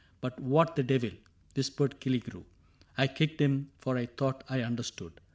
—" But what the devil !" whispered Killigrew. I kicked him, for I thought I understood.